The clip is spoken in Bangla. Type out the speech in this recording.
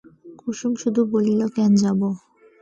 কুসুম শুধু বলিল, কেন যাব?